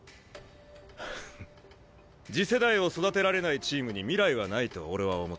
次世代を育てられないチームに未来はないと俺は思っている。